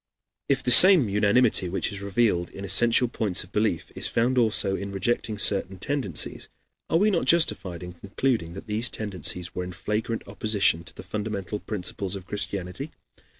If the same unanimity which is revealed in essential points of belief is found also in rejecting certain tendencies, are we not justified in concluding that these tendencies were in flagrant opposition to the fundamental principles of Christianity?